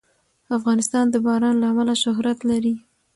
افغانستان د باران له امله شهرت لري.